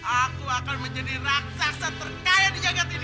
aku akan menjadi raksasa terkaya di jagad ini